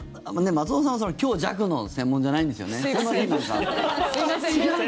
松尾さんは強弱の専門じゃないんですよね。